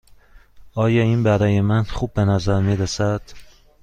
آیا این برای من خوب به نظر می رسد؟